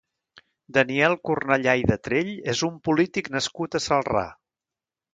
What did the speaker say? Daniel Cornellà i Detrell és un polític nascut a Celrà.